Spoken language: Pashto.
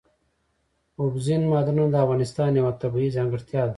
اوبزین معدنونه د افغانستان یوه طبیعي ځانګړتیا ده.